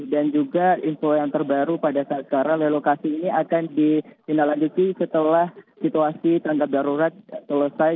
dan juga info yang terbaru pada saat sekarang relokasi ini akan disindahlanjuti setelah situasi tanggap darurat selesai